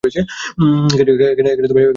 এখানে একটি কৃষি কলেজ অবস্থিত।